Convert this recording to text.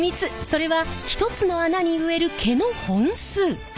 それは１つの穴に植える毛の本数。